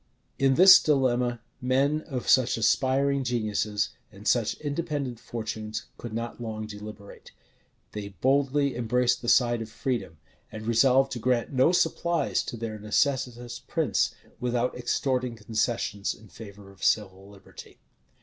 In this dilemma, men of such aspiring geniuses, and such independent fortunes, could not long deliberate: they boldly embraced the side of freedom, and resolved to grant no supplies to their necessitous prince, without extorting concessions in favor of civil liberty.